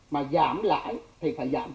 mà giảm lãi thì phải giảm